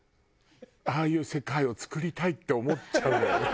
ああいう世界を作りたいって思っちゃうのよ。